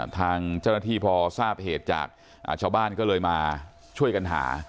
ทางเจ้าหน้าที่พอทราบเหตุจากชาวบ้านก็เลยมาช่วยกันหา